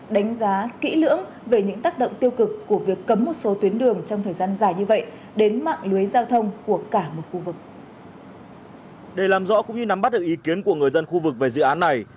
để làm rõ cũng như nắm bắt được ý kiến của người dân khu vực về dự án này